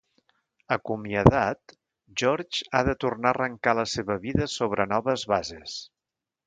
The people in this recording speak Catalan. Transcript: Acomiadat, George ha de tornar a arrencar la seva vida sobre noves bases.